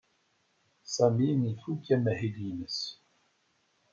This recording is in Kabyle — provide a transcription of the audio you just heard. Sami ifuk amahil-nnes.